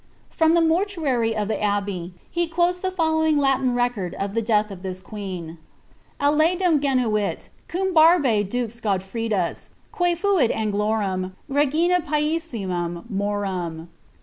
From the mortuary of the abbey, he quotes the following Latin record of tbi death of this queen ;* "Aleiilem genuit cum borba dm Godefrddus, Que fait Angiorum i^ina piiaiima rouium."